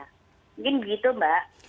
mungkin begitu mbak